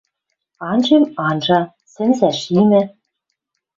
Анжем — анжа... Сӹнзӓ шимӹ